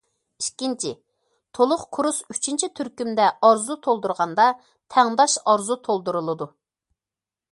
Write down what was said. ئىككىنچى، تولۇق كۇرس ئۈچىنچى تۈركۈمدە ئارزۇ تولدۇرغاندا تەڭداش ئارزۇ تولدۇرۇلىدۇ.